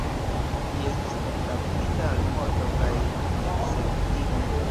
Li estis kondamnita al morto kaj ekzekutita.